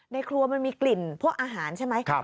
ในครัวมันมีกลิ่นพวกอาหารใช่ไหม